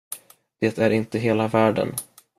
Det är inte hela världen.